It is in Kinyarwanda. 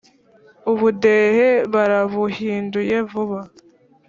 ubudehe barabuhinduye vuba